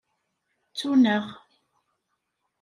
Ttun-aneɣ.